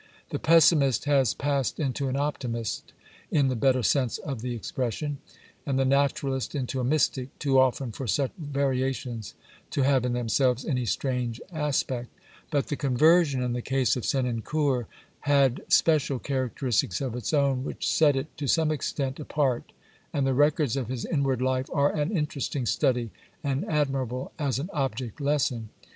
The pessimist has passed into an optimist — in the better sense of the ex pression— and the naturalist into a mystic, too often for such variations to have, in themselves, any strange aspect ; but the conversion in the case of Senancour had special characteristics of its own which set it, to some extent, apart^ and the records of his inward life are an interesting study and admirable as an object lesson.